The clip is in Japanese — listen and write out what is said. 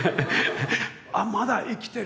あっまだ生きてる！